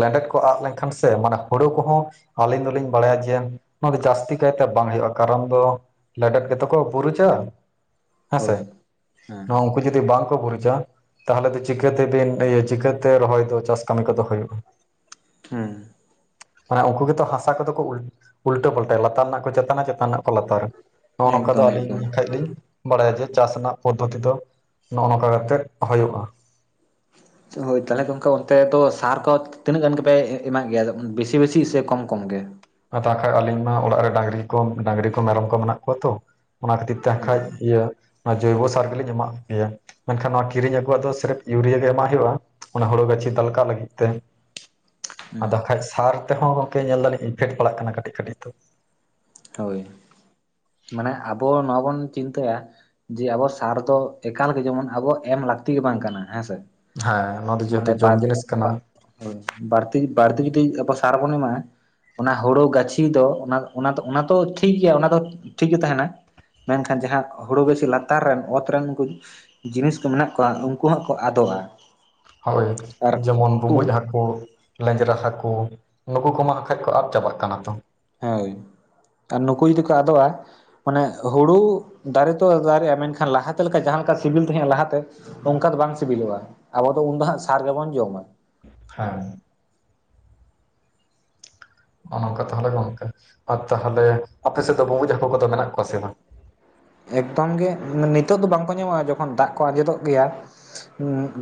Speaker 2: ᱞᱮᱸᱰᱮᱛ ᱠᱚ ᱟᱫ ᱞᱮᱱᱠᱷᱟᱱ ᱥᱮ ᱢᱟᱱᱮ ᱦᱳᱲᱳ ᱠᱚᱦᱚᱸ ᱟᱹᱞᱤᱧ ᱫᱚᱞᱤᱧ ᱵᱟᱲᱟᱭᱟ ᱡᱮ ᱱᱚᱣᱟ ᱫᱚ ᱡᱟᱹᱥᱛᱤ ᱠᱟᱭᱛᱮ ᱵᱟᱝ ᱦᱩᱭᱩᱜᱼᱟ᱾ ᱠᱟᱨᱚᱱ ᱫᱚ ᱞᱮᱰᱮᱫ ᱜᱮᱛᱮ ᱠᱚ ᱜᱩᱨᱤᱪᱟ ᱦᱮᱸᱥᱮ,
Speaker 1: ᱦᱳᱭ ᱦᱮᱸ
Speaker 2: ᱱᱚᱣᱟ ᱩᱱᱠᱩ ᱡᱚᱫᱤ ᱵᱟᱝ ᱠᱚ ᱜᱩᱨᱤᱪᱟ? ᱛᱟᱦᱚᱞᱮ ᱫᱚ ᱪᱤᱠᱟᱹ ᱛᱮᱵᱤᱱ ᱤᱭᱟᱹ ᱪᱤᱠᱟᱹ ᱛᱮ ᱨᱚᱦᱚᱭ ᱫᱚ ᱪᱟᱥ ᱠᱟᱹᱢᱤ ᱠᱚᱫᱚ ᱦᱩᱭᱩᱜᱼᱟ?
Speaker 1: ᱦᱩᱸ᱾
Speaker 2: ᱢᱟᱱᱮ ᱩᱱᱠᱩ ᱜᱮᱛᱚ ᱦᱟᱥᱟ ᱠᱚᱫᱚ ᱠᱚ ᱩᱞ ᱩᱞᱴᱟᱹ ᱯᱟᱞᱴᱟᱭᱟ᱾ ᱞᱟᱛᱟᱨ ᱨᱮᱱᱟᱜ ᱠᱚ ᱪᱮᱛᱟᱱᱟ ᱪᱮᱛᱟᱱ ᱨᱮᱱᱟᱜ ᱠᱚ ᱞᱟᱛᱟᱨᱟ᱾ ᱱᱚᱜᱼᱚᱭ ᱱᱚᱝᱠᱟ ᱫᱚ
Speaker 1: ᱮᱠᱫᱚᱢ
Speaker 2: ᱟᱹᱞᱤᱧ
Speaker 1: ᱮᱠᱫᱚᱢ
Speaker 2: ᱠᱷᱟᱡ ᱞᱤᱧ ᱵᱟᱲᱟᱭᱟ ᱡᱮ ᱪᱟᱥ ᱨᱮᱱᱟᱜ ᱯᱚᱫᱽᱫᱷᱚᱛᱤ ᱫᱚ ᱱᱚᱜᱼᱚᱭ ᱱᱚᱝᱠᱟ ᱠᱟᱛᱮᱜ ᱦᱩᱭᱩᱜᱼᱟ᱾
Speaker 1: ᱦᱳᱭ ᱛᱟᱦᱚᱞᱮ ᱜᱚᱢᱠᱮ ᱚᱱᱛᱮ ᱫᱚ ᱥᱟᱨ ᱠᱚ ᱛᱤᱱᱟᱹᱜ ᱜᱟᱱ ᱜᱮᱯᱮ ᱮᱢᱟᱜ ᱜᱮᱭᱟ᱾ ᱵᱮᱥᱤ ᱵᱮᱥᱤ ᱥᱮ ᱠᱚᱢ ᱠᱚᱢ ᱜᱮ?
Speaker 2: ᱛᱟᱠᱷᱟᱡ ᱫᱚ ᱟᱹᱞᱤᱧ ᱢᱟ ᱚᱲᱟᱜ ᱨᱮ ᱰᱟᱝᱨᱤ ᱠᱚ ᱢᱮᱨᱚᱢ ᱠᱚ ᱢᱮᱱᱟᱜ ᱠᱚᱣᱟ ᱛᱚ᱾ ᱚᱱᱟ ᱠᱷᱟᱹᱛᱤᱨ ᱛᱮ ᱠᱷᱟᱡ ᱤᱭᱟᱹ ᱚᱱᱟ ᱡᱚᱭᱵᱚᱥᱟᱨ ᱜᱮᱞᱤᱧ ᱮᱟᱜ ᱜᱮᱭᱟ᱾ ᱢᱮᱱᱠᱷᱟᱱ ᱱᱚᱣᱟ ᱠᱤᱨᱤᱧ ᱟᱹᱜᱩᱣᱟᱜ ᱫᱚ ᱥᱤᱨᱤᱯ ᱤᱭᱩᱨᱤᱭᱟ ᱜᱮ ᱮᱢᱟᱜ ᱦᱩᱭᱩᱜᱼᱟ᱾ ᱚᱱᱟ ᱦᱩᱲᱩ ᱜᱟᱹᱪᱷᱤ ᱫᱟᱞᱠᱟᱜ ᱞᱟᱹᱜᱤᱫ ᱛᱮ᱾
Speaker 1: ᱦᱩᱸ
Speaker 2: ᱟᱫᱚ ᱠᱷᱟᱡ ᱥᱟᱨ ᱛᱮᱦᱚᱸ ᱜᱚᱝᱠᱮ ᱧᱮᱞ ᱫᱟᱞᱤᱧ ᱤᱧᱯᱷᱮᱠᱴ ᱯᱟᱲᱟᱜ ᱠᱟᱱᱟ, ᱠᱟᱹᱴᱤᱡ ᱠᱟᱹᱟᱹᱴᱤᱡ ᱛᱚ᱾
Speaker 1: ᱦᱳᱭ ᱢᱟᱱᱮ ᱟᱵᱚ ᱱᱚᱣᱟ ᱵᱚᱱ ᱪᱤᱱᱛᱟᱹᱭᱟ ᱡᱮ ᱟᱵᱚ ᱥᱟᱨ ᱫᱚ ᱮᱠᱟᱞᱜᱮ ᱡᱮᱢᱚᱱ ᱟᱵᱚ ᱮᱢ ᱞᱟᱹᱠᱛᱤ ᱜᱮ ᱵᱟᱝ ᱠᱟᱱᱟ ᱦᱮᱸᱥᱮ
Speaker 2: ᱦᱮᱸ ᱱᱚᱣᱟ ᱫᱚ ᱡᱚᱛᱚ ᱡᱚᱢ ᱡᱤᱱᱤᱥ ᱠᱟᱱᱟ
Speaker 1: ᱦᱳᱭ ᱵᱟᱹᱲᱛᱤ ᱵᱟᱲᱛᱤ ᱡᱩᱫᱤ ᱟᱵᱚ ᱥᱟᱨ ᱵᱚᱱ ᱮᱢᱟᱜ-ᱟ ᱚᱱᱟ ᱦᱳᱲᱳ ᱜᱟᱹᱪᱷᱤ ᱫᱚ ᱚᱱᱟ.. ᱚᱱᱟ ᱫᱚ ᱚᱱᱟ ᱛᱚ ᱴᱷᱤᱠ ᱜᱮᱭᱟ ᱚᱱᱟ ᱫᱚ ᱴᱷᱤᱠ ᱜᱮ ᱛᱟᱦᱮᱱᱟ ᱢᱮᱱᱠᱷᱟᱱ ᱡᱟᱦᱟ ᱦᱳᱲᱳ ᱜᱟᱹᱪᱷᱤ ᱞᱟᱛᱟᱨ ᱨᱮᱱ ᱚᱛ ᱨᱮᱱ ᱩᱱᱠᱩ ᱡᱤᱱᱤᱥ ᱠᱚ ᱢᱮᱱᱟᱜ ᱠᱚᱣᱟ ᱩᱱᱠᱩ ᱦᱚᱸ ᱠᱚ ᱟᱫᱚᱜᱼᱟ
Speaker 2: ᱦᱳᱭ
Speaker 1: ᱟᱨ
Speaker 2: ᱡᱮᱢᱚᱱ
Speaker 1: ᱩᱱ
Speaker 2: ᱵᱩᱢᱵᱩᱡ ᱦᱟᱹᱠᱚ ᱞᱮᱡᱽᱨᱟ ᱦᱟᱹᱠᱩ ᱱᱩᱠᱩ ᱠᱚ ᱢᱟ ᱟᱠᱷᱟᱱᱡ ᱠᱚ ᱟᱫ ᱪᱟᱵᱟᱜ ᱠᱟᱱᱟ ᱛᱚ
Speaker 1: ᱦᱳᱭ ᱟᱨ ᱱᱩᱠᱩ ᱡᱩᱫᱤ ᱠᱚ ᱟᱫᱚᱜᱼᱟ ᱢᱟᱱᱮ ᱦᱩᱲᱩ ᱫᱟᱨᱮ ᱛᱚ ᱫᱟᱨᱮᱜᱼᱟ ᱢᱮᱱᱠᱷᱟᱱ ᱞᱟᱦᱟᱛᱮ ᱞᱮᱠᱟ ᱡᱟᱦᱟᱸ ᱞᱮᱠᱟ ᱥᱤᱵᱤᱞ ᱛᱮᱦᱮᱸᱜᱼᱟ ᱞᱟᱦᱟᱛᱮ ᱚᱱᱠᱟ ᱫᱚ ᱵᱟᱝ ᱥᱤᱵᱤᱞᱚᱜᱼᱟ ᱟᱵᱚ ᱫᱚ ᱩᱱᱫᱚ ᱦᱟᱸᱜ ᱥᱟᱨ ᱜᱮ ᱵᱚᱱ ᱡᱚᱢ-ᱟ
Speaker 2: ᱦᱮᱸ ᱱᱚᱜ-ᱚ ᱱᱚᱝᱠᱟ ᱛᱟᱦᱚᱞᱮ ᱜᱚᱝᱠᱮ ᱟᱨ ᱛᱟᱦᱚᱞᱮ ᱟᱯᱮ ᱥᱮᱫ ᱫᱚ ᱵᱩᱢᱵᱩᱡ ᱦᱟᱠᱚ ᱠᱚ ᱫᱚ ᱢᱮᱱᱟᱜ ᱠᱚᱣᱟ ᱥᱮ ᱵᱟᱝ
Speaker 1: ᱮᱠᱫᱚᱢ ᱜᱮ ᱱᱤᱛᱚᱜ ᱫᱚ ᱵᱟᱝᱠᱚ ᱧᱟᱢᱚᱜᱼᱟ ᱡᱚᱠᱷᱚᱱ ᱫᱟᱜ ᱠᱚ ᱟᱸᱡᱮᱫᱚᱜ ᱜᱮᱭᱟ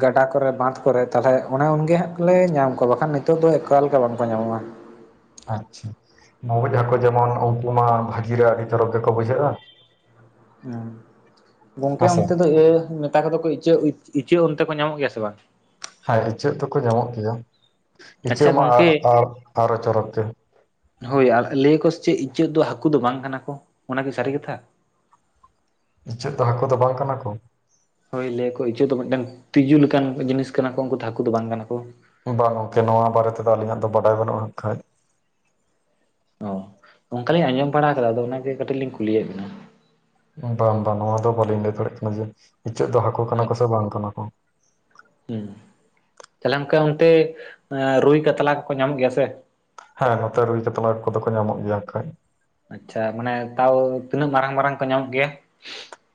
Speaker 1: ᱜᱟᱰᱟ ᱠᱚᱨᱮ ᱵᱟᱸᱫᱷ ᱠᱚᱨᱮ ᱛᱟᱞᱦᱮ ᱚᱱᱮ ᱩᱱ ᱜᱮᱦᱟᱸᱜ ᱞᱮ ᱧᱟᱢ ᱠᱚᱣᱟ ᱵᱟᱠᱷᱟᱱ ᱱᱤᱛᱚᱜ ᱫᱚ ᱮᱠᱟᱞ ᱠᱮ ᱵᱟᱝᱠᱚ ᱧᱟᱢᱚᱜᱼᱟ
Speaker 2: ᱟᱪᱪᱷᱟ, ᱵᱩᱢᱵᱩᱡ ᱦᱟᱠᱚ ᱡᱮᱢᱚᱱ ᱩᱱᱠᱩ ᱢᱟ ᱵᱷᱟᱹᱜᱤ ᱜᱮ ᱟᱹᱰᱤ ᱪᱳᱨᱳᱠ ᱜᱮᱠᱚ ᱵᱩᱡᱷᱟᱹᱜᱼᱟ
Speaker 1: ᱦᱸ ᱜᱚᱝᱠᱮ
Speaker 2: ᱦᱮᱸᱥᱮ
Speaker 1: ᱚᱱᱛᱮ ᱫᱚ ᱤᱭᱟᱹ ᱢᱮᱛᱟ ᱠᱚᱫᱚ ᱠᱚ ᱤᱪᱟᱹᱜ ᱤᱪ... ᱤᱪᱟᱹᱜ ᱚᱱᱛᱮ ᱠᱚ ᱧᱟᱢᱚᱜ ᱜᱮᱭᱟ ᱥᱮ ᱵᱟᱝ
Speaker 2: ᱦᱮᱸ ᱤᱪᱟᱹᱜ ᱫᱚ ᱠᱚ ᱧᱟᱢᱚᱜ ᱜᱮᱭᱟ ᱤᱪᱟᱹᱜ
Speaker 1: ᱟᱪᱪᱷᱟ
Speaker 2: ᱢᱟ ᱟ
Speaker 1: ᱜᱚᱝᱠᱮ
Speaker 2: ᱟᱲ ᱟᱨᱦᱚ ᱪᱳᱨᱳᱠ ᱜᱮ
Speaker 1: ᱦᱳᱭ ᱟᱞ... ᱞᱟᱹᱭ ᱟᱠᱚ ᱥᱮ ᱪᱮᱫ ᱤᱪᱟᱹᱜ ᱫᱚ ᱦᱟᱹᱠᱩ ᱫᱚ ᱵᱟᱝ ᱠᱟᱱᱟ ᱠᱚ ᱚᱱᱟ ᱠᱤ ᱥᱟᱹᱨᱤ ᱠᱟᱛᱷᱟ
Speaker 2: ᱤᱪᱟᱹᱜ ᱫᱚ ᱦᱟᱠᱟ ᱫᱚ ᱵᱟᱝ ᱠᱟᱱᱟ ᱠᱚ
Speaker 1: ᱦᱳᱭ ᱞᱟᱹᱭᱟᱠᱚ ᱤᱪᱟᱹᱜ ᱫᱚ ᱢᱤᱫᱴᱮᱱ ᱛᱤᱡᱩ ᱞᱮᱠᱟᱱ ᱡᱤᱱᱤᱥ ᱠᱟᱱᱟ ᱠᱚ ᱩᱱᱠᱩ ᱫᱚ ᱦᱟᱹᱠᱩ ᱫᱚ ᱵᱟᱝ ᱠᱟᱱᱟ ᱠᱚ
Speaker 2: ᱵᱟᱝ ᱜᱚᱝᱠᱮ ᱱᱚᱶᱟ ᱵᱟᱨᱮ ᱛᱮᱫᱚ ᱟᱞᱤᱧᱟᱜ ᱫᱚ ᱵᱟᱰᱟᱭ ᱵᱟᱹᱱᱩᱜᱼᱟ ᱠᱷᱟᱺᱡ
Speaker 1: ᱚ ᱚᱱᱠᱟᱞᱤᱧ ᱟᱸᱡᱚᱢ ᱵᱟᱲᱟ ᱟᱠᱟᱫᱟ ᱟᱫᱚ ᱚᱱᱟᱜᱮ ᱠᱟᱹᱴᱤᱡ ᱞᱤᱧ ᱠᱩᱞᱤᱭᱮᱫ ᱵᱤᱱᱟ
Speaker 2: ᱵᱟᱝ ᱵᱟᱝ ᱱᱚᱶᱟ ᱫᱚ ᱵᱟᱹᱞᱤᱧ ᱞᱟᱹᱭ ᱫᱟᱲᱮᱭᱟᱜ ᱠᱟᱱᱟ ᱡᱮ ᱤᱪᱟᱹᱜ ᱫᱚ ᱦᱟᱹᱠᱚ ᱠᱟᱱᱟ ᱠᱚ ᱥᱮ ᱵᱟᱝ ᱠᱟᱱᱟ ᱠᱚ
Speaker 1: ᱦᱮᱸ ᱛᱟᱦᱚᱞᱮ ᱚᱱᱠᱟ ᱚᱱᱛᱮ ᱨᱩᱭ ᱠᱟᱛᱞᱟ ᱠᱚᱠᱚ ᱧᱟᱢᱚᱜ ᱜᱮᱭᱟ ᱥᱮ
Speaker 2: ᱦᱮᱸ ᱱᱚᱛᱮ ᱨᱩᱭ ᱠᱟᱛᱞᱟ ᱠᱚᱫᱚ ᱠᱚ ᱧᱟᱢᱚᱜ ᱜᱮᱭᱟ ᱠᱷᱟᱺᱡ
Speaker 1: ᱟᱪᱪᱷᱟ ᱢᱟᱱᱮ ᱛᱟᱣ ᱛᱤᱱᱟᱹᱜ ᱢᱟᱨᱟᱝ ᱢᱟᱨᱟᱝ ᱠᱚ ᱧᱟᱢᱚᱜ ᱜᱮᱭᱟ